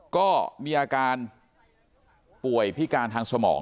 ก็มีอาการป่วยพิการทางสมอง